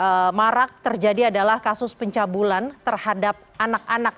yang marak terjadi adalah kasus pencabulan terhadap anak anak